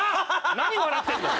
何笑ってんだよ！